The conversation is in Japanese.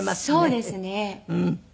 そうですね。